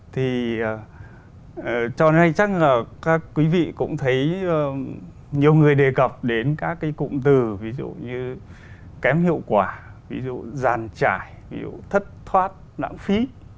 thì cho nên chắc là các quý vị cũng thấy nhiều người đề cập đến các cái cụm từ ví dụ như kém hiệu quả ví dụ giàn trải ví dụ thất thoát lãng phí